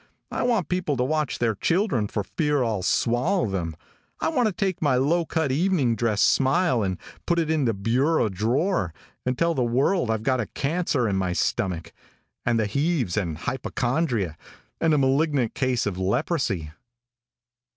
I want people to watch their children for fear I'll swallow them. I want to take my low cut evening dress smile and put it in the bureau drawer, and tell the world I've got a cancer in my stomach, and the heaves and hypochondria, and a malignant case of leprosy."